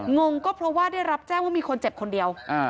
งงก็เพราะว่าได้รับแจ้งว่ามีคนเจ็บคนเดียว